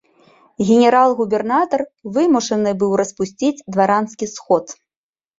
Генерал-губернатар вымушаны быў распусціць дваранскі сход.